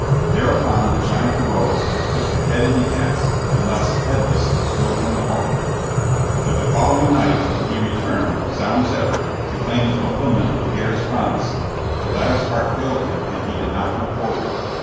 Thereupon the giant arose, took the head and the axe, and thus, headless, strode from the hall. But the following night, when he returned, sound as ever, to claim the fulfilment of Laegire's promise, the latter's heart failed him and he did not come forward.